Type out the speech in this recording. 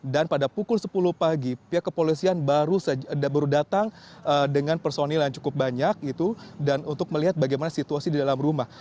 dan pada pukul sepuluh pagi pihak kepolisian baru datang dengan personil yang cukup banyak dan untuk melihat bagaimana situasi di dalam rumah